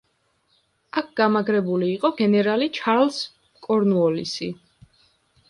აქ გამაგრებული იყო გენერალი ჩარლზ კორნუოლისი.